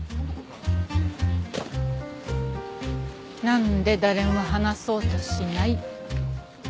なんで誰も話そうとしない。